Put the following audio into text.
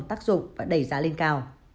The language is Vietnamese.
tác dụng và đẩy giá lên cao